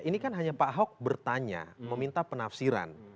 ini kan hanya pak ahok bertanya meminta penafsiran